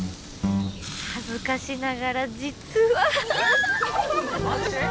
恥ずかしながら実はいやっ！